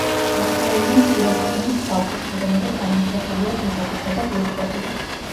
მოქცეულია მცირე სიღრმის ქვაბულში, რომელიც ამოვსებულია თიხებითა და კირქვებით.